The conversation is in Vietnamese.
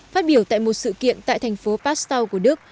phát biểu tại một sự kiện tại thành phố pasteur của đức